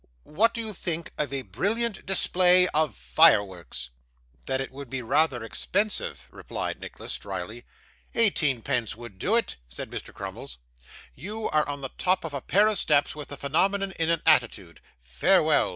'What do you think of a brilliant display of fireworks?' 'That it would be rather expensive,' replied Nicholas, drily. 'Eighteen pence would do it,' said Mr. Crummles. 'You on the top of a pair of steps with the phenomenon in an attitude; "Farewell!"